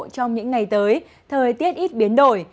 trong những ngày tới thời tiết ít biến đổi